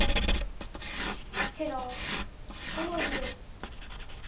白５の十。